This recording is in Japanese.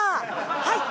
はい。